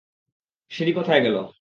সিঁড়ি কোথায় গেলো?